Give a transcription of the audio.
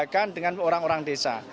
berkaitan dengan orang orang desa